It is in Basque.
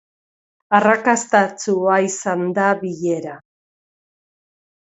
Arrakastatsua izan da bilera.